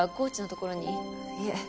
いえ